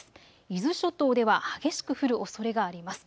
伊豆諸島では激しく降るおそれがあります。